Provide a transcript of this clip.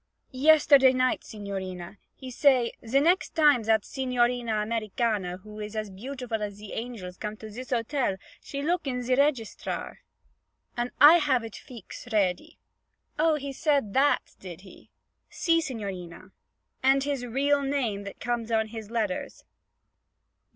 'Yesterday night, signorina. He say, "Ze next time zat Signorina Americana who is beautiful as ze angels come to zis hotel she look in ze raygeester, an' I haf it feex ready."' 'Oh, he said that, did he?' 'Si, signorina.' 'And his real name that comes on his letters?'